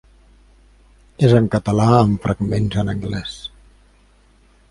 És en català amb fragments en anglès.